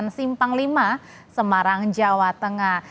simpang v semarang jawa tengah